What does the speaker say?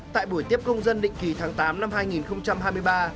tại buổi tiếp công dân định kỳ tháng tám năm hai nghìn hai mươi ba